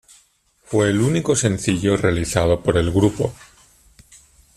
Fue el único sencillo realizado por el grupo.